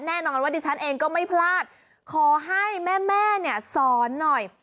แน่นอนว่าดิฉันเองก็ไม่พลาดขอให้แม่เนี่ยสอนหน่อย